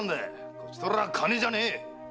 こちとら金じゃねえ！